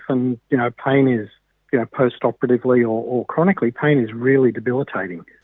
sakit adalah post operatively atau kronis sakit itu sangat menyebabkan